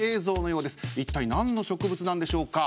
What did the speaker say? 一体何の植物なんでしょうか。